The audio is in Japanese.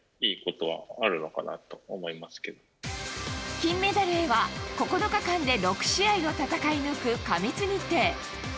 金メダルへは、９日間で６試合を戦い抜く過密日程。